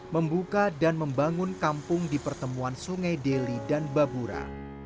membuka dan membangun kampung di pertemuan sungai deli dan babura